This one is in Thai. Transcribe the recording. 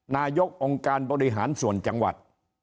นายกองค์การบริหารส่วนจังหวัด